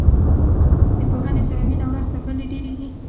د پوهنې سره مینه ورځ تر بلې ډیریږي.